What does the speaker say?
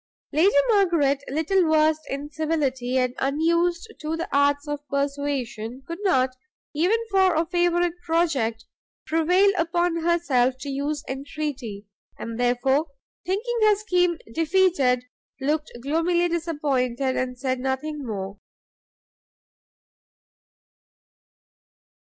Lady Margaret, little versed in civility, and unused to the arts of persuasion, could not, even for a favourite project, prevail upon herself to use entreaty, and therefore, thinking her scheme defeated, looked gloomily disappointed, and said nothing more.